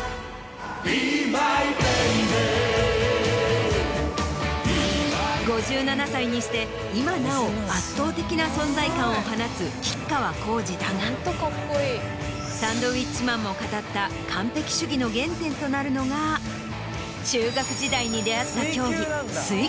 ＢＥＭＹＢＡＢＹ５７ 歳にして今なお圧倒的な存在感を放つ吉川晃司だがサンドウィッチマンも語った完璧主義の原点となるのが中学時代に出合った競技。